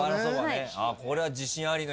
これは自信ありの表情。